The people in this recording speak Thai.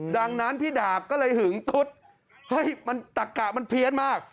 ดังนั้นพี่ดาบก็เลยหึงตุ๊ดเฮ้ยมันตะกะมันเพี้ยนมาก